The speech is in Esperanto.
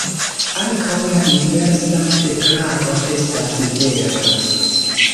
Ankaŭ la inversa deklaro estas vera.